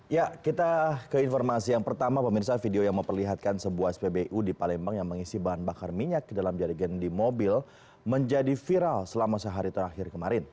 ya kita ke informasi yang pertama pemirsa video yang memperlihatkan sebuah spbu di palembang yang mengisi bahan bakar minyak ke dalam jari gendi mobil menjadi viral selama sehari terakhir kemarin